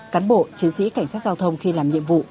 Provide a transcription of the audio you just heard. cán bộ chiến sĩ cảnh sát giao thông khi làm nhiệm vụ